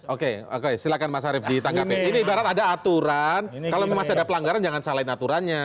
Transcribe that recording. oke oke silahkan mas arief ditangkapin ini ibarat ada aturan kalau memang masih ada pelanggaran jangan salahin aturannya